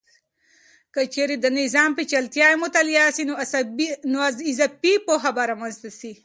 که چیرې د نظام پیچلتیاوې مطالعه سي، نو اضافي پوهه به رامنځته سي.